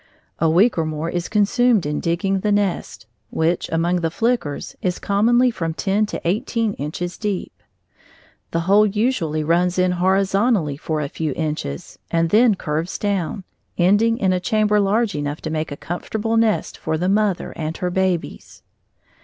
A week or more is consumed in digging the nest, which, among the flickers, is commonly from ten to eighteen inches deep. The hole usually runs in horizontally for a few inches and then curves down, ending in a chamber large enough to make a comfortable nest for the mother and her babies.